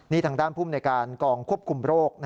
นี่ทางด้านภูมิในการกองควบคุมโรค